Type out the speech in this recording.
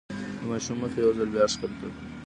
د ماشوم مخ يې يو ځل بيا ښکل کړ.